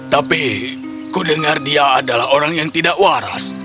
tapi ku dengar dia adalah orang yang tidak waras